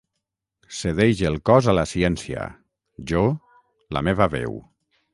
Cedeix el cos a la ciència, jo, la meva veu